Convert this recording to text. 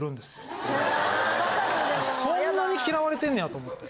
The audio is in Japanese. そんなに嫌われてんねやと思って。